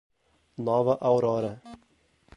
Nova Aurora